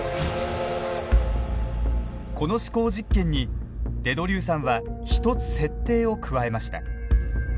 この思考実験にデ・ドリューさんは１つ設定を加えました。